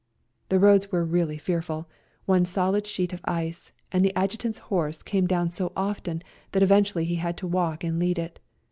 The roads were really fearful, one solid sheet of ice, and the Adjutant's horse came down so often that eventually he had to walk and lead it.